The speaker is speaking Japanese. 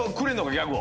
ギャグを。